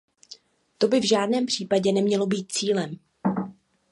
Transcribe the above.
To by v žádném případě nemělo být cílem.